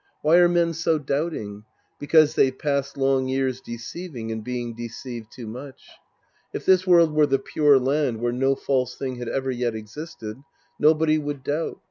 Why are men so doubting ? Because they've passed Ijng years deceiving and being deceived too much. If this world were the Pure Land where no false thing had ever yet existed, nobody would doubt.